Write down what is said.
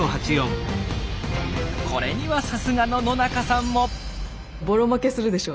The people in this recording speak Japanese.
これにはさすがの野中さんも。